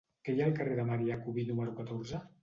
Què hi ha al carrer de Marià Cubí número catorze?